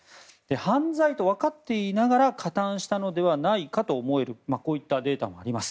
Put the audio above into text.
犯罪と分かっていながら加担したのではないかと思えるこういったデータもあります。